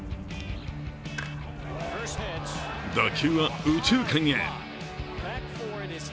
打球は右中間へ。